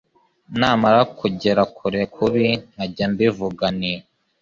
Namara kugera kure kubi nkajya mvuga nti